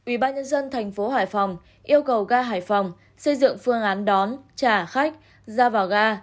ubnd tp hải phòng yêu cầu ga hải phòng xây dựng phương án đón trả khách ra vào ga